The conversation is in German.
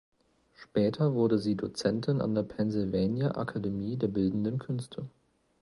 Später wurde sie Dozentin an der Pennsylvania Akademie der Bildenden Künste.